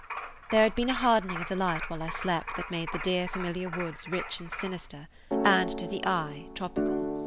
There had been a hardening of the light while I slept that made the dear, familiar woods rich and sinister, and to the eye, tropical.